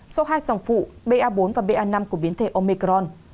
sau hai dòng phụ ba bốn và ba năm của biến thể omecron